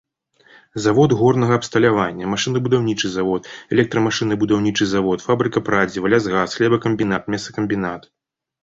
Завод горнага абсталявання, машынабудаўнічы завод, электрамашынабудаўнічы завод, фабрыка прадзіва, лясгас, хлебакамбінат, мясакамбінат.